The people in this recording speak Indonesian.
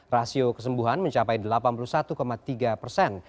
rasio kesembuhan mencapai delapan puluh satu tiga persen